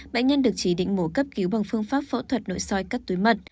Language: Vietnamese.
bệnh nhân được chỉ định mổ cấp cứu bằng phương pháp phẫu thuật nội soi cắt túi mật